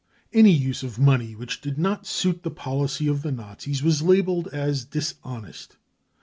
Any use of money which did not suit the policy of the Nazis was labelled as " dishonest.